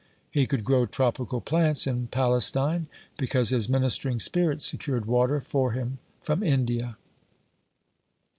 He could grow tropical plants in Palestine, because his ministering spirits secured water for him from India.